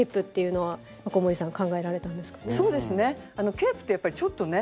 ケープってやっぱりちょっとね